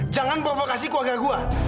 jangan provokasi keluarga gua